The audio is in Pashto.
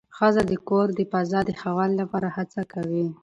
ښځه د کور د فضا د ښه والي لپاره هڅه کوي